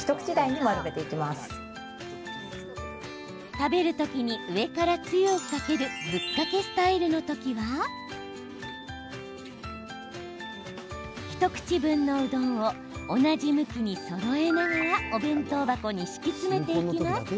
食べる時に上からつゆをかけるぶっかけスタイルの時は一口分のうどんを同じ向きにそろえながらお弁当箱に敷き詰めていきます。